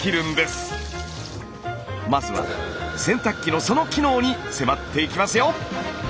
まずは洗濯機のその機能に迫っていきますよ！